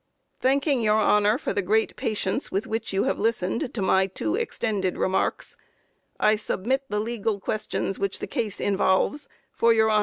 Thanking your honor for the great patience with which you have listened to my too extended remarks, I submit the legal questions which the case involves for your honor's consideration.